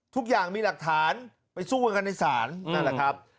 ทุกอย่างมีหลักฐานไปสู้กันในศาลนั่นแหละครับ